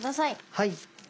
はい。